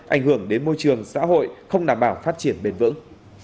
ảnh hưởng đến môi trường xã hội không đảm bảo phát triển bền vững